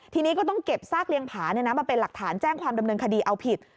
ทีนี้ก็ต้องเก็บซากเลี้ยงผามาเป็นหลักฐานแจ้งความดำเนินคดีเอาผิด